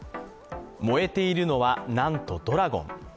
燃えているのは、なんとドラゴン。